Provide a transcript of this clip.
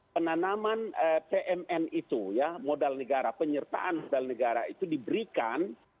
penanaman pmn itu ya modal negara penyertaan modal negara itu diberikan